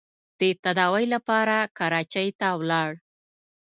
د تداوۍ لپاره کراچۍ ته ولاړ.